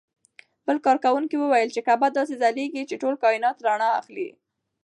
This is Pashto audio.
بل کاروونکي وویل چې کعبه داسې ځلېږي چې ټول کاینات رڼا اخلي.